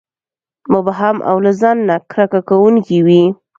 مبهم او له ځان نه کرکه کوونکي وي.